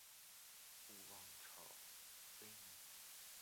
勿忘草微米。